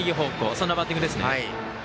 そんなバッティングですね。